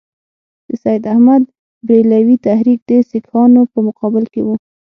د سید احمدبرېلوي تحریک د سیکهانو په مقابل کې وو.